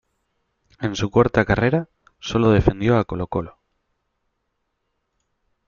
En su corta carrera sólo defendió a Colo-Colo.